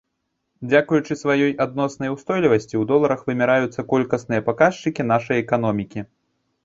Дзякуючы сваёй адноснай устойлівасці ў доларах вымяраюцца колькасныя паказчыкі нашай эканомікі.